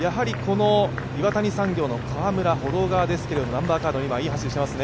岩谷産業の川村、歩道側ですけれども、２番、いい走りしていますね。